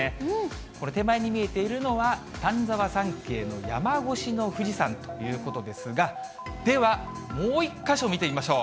これ、手前に見えているのは、丹沢山系の山越しの富士山ということですが、ではもう１か所見てみましょう。